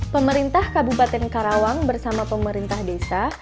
pemerintah kabupaten karawang bersama pemerintah desa